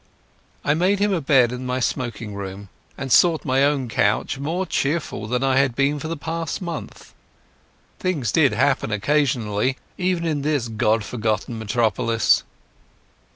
I made him up a bed in my smoking room and sought my own couch, more cheerful than I had been for the past month. Things did happen occasionally, even in this God forgotten metropolis.